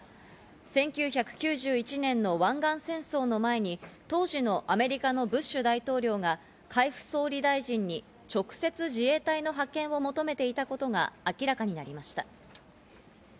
１９９１年の湾岸戦争の前に当時のアメリカのブッシュ大統領が海部総理大臣に直接、自衛隊の派遣を求めていたことが明らかになりました。